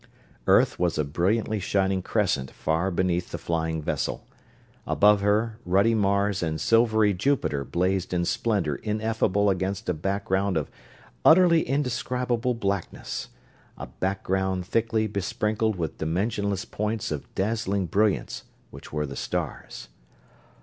Earth was a brilliantly shining crescent far beneath the flying vessel. Above her, ruddy Mars and silvery Jupiter blazed in splendor ineffable against a background of utterly indescribable blackness a background thickly besprinkled with dimensionless points of dazzling brilliance which were the stars.